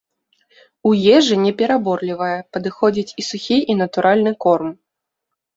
У ежы непераборлівая, падыходзіць і сухі, і натуральны корм.